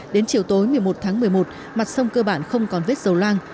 đến chiều tối một mươi một tháng một mươi một mặt sông cơ bản không còn vết dầu loang